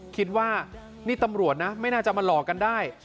คิดว่านี่ตำรวจนะไม่น่าจะมาหลอกกันได้